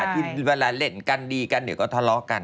ที่เวลาเล่นกันดีกันเดี๋ยวก็ทะเลาะกัน